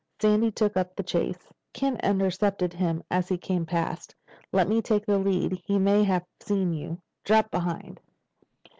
Sandy took up the chase. Ken intercepted him as he came past. "Let me take the lead. He may have seen you. Drop behind."